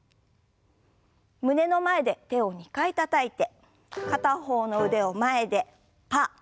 胸の前で手を２回たたいて片方の腕を前でパー。